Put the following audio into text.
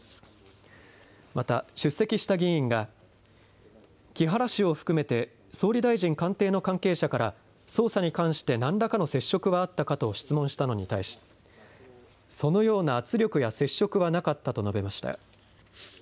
また出席した議員が木原氏を含めて総理大臣官邸の関係者から捜査に関して何らかの接触はあったかと質問したのに対しそのような圧力や接触はなかったと述べました。